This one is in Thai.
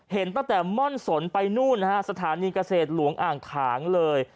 เห็นตั้งแต่ม่อนสนไปนู่นนะฮะสถานีเกษตรหลวงอ่างขางเลย